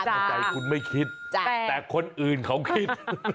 ในใจคุณไม่คิดแต่คนอื่นเขาคิด